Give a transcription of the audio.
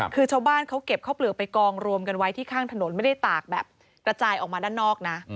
คือชาวบ้านเขาเก็บข้าวเปลือกไปกองรวมกันไว้ที่ข้างถนนไม่ได้ตากแบบกระจายออกมาด้านนอกนะ